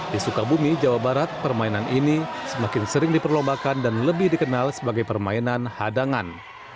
di sukabumi jawa barat permainan ini semakin sering diperlombakan dan lebih dikenal sebagai permainan hadangan